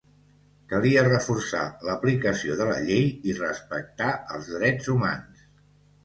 Calia reforçar l'aplicació de la llei i respectar els drets humans.